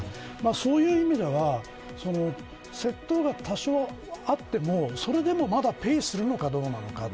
そういう意味では窃盗が多少あってもそれでも、まだペイするのかどうなのか。